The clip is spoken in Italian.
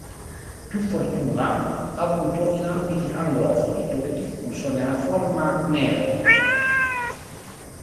Più fortuna ha avuto in ambiti anglofoni, dove è diffuso nella forma "Nero".